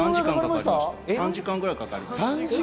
３時間ぐらいかかりました。